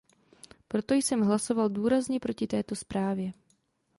Proto jsem hlasoval důrazně proti této zprávě.